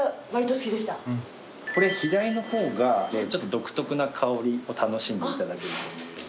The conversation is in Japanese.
左の方がちょっと独特な香りを楽しんでいただける。